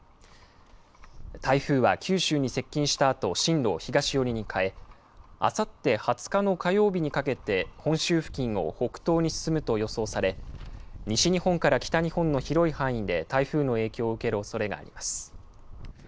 台風は九州に接近したあと進路を東寄りに変え、あさって２０日の火曜日にかけて、本州付近を北東に進むと予想され、西日本から北日本の広い範囲で台風の影響を受けるおそれがあります。